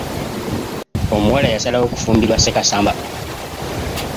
Omuwala yasalawo kufumbirwa Ssekasamba.